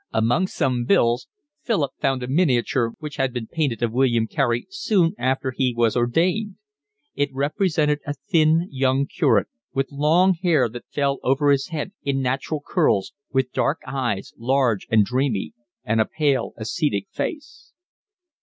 Among some bills Philip found a miniature which had been painted of William Carey soon after he was ordained. It represented a thin young curate, with long hair that fell over his head in natural curls, with dark eyes, large and dreamy, and a pale ascetic face.